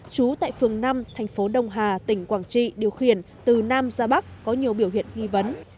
trú tại phường năm thành phố đông hà tỉnh quảng trị điều khiển từ nam ra bắc có nhiều biểu hiện nghi vấn